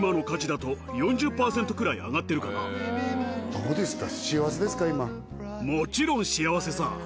どうですか？